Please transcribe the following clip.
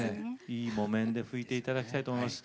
いい木綿で拭いて頂きたいと思います。